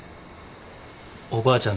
おばあちゃん